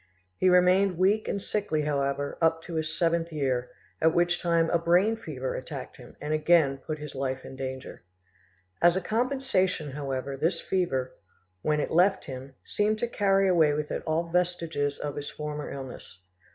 He remained weak and sickly, however, up to his seventh year, at which time a brain fever attacked him; and again put his life in danger. As a compensation, however, this fever, when it left him, seemed to carry away with it all vestiges of his former illness.